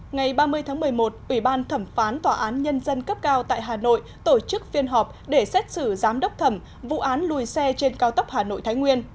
ngày ba mươi tháng một mươi một ủy ban thẩm phán tòa án nhân dân cấp cao tại hà nội tổ chức phiên họp để xét xử giám đốc thẩm vụ án lùi xe trên cao tốc hà nội thái nguyên